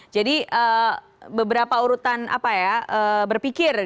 jadi beberapa urutan berpikir